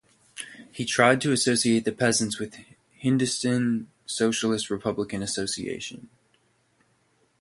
He tried to associate the peasants with Hindustan Socialist Republican Association.